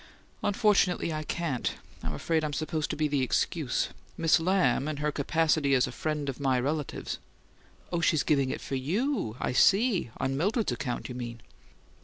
"Unfortunately, I can't. I'm afraid I'm supposed to be the excuse. Miss Lamb, in her capacity as a friend of my relatives " "Oh, she's giving it for YOU! I see! On Mildred's account you mean?"